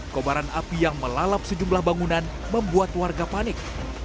kobaran api yang melalap sejumlah bangunan membuat warga panik